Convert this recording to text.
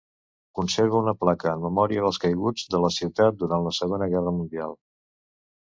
Conserva una placa en memòria dels caiguts de la ciutat durant la Segona Guerra Mundial.